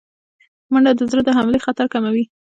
منډه د زړه د حملې خطر کموي